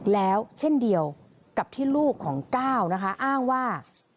แล้วเช่นเดียวกับที่ลูกของก้าวนะคะอ้างว่า